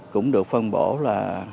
cũng được phân bổ là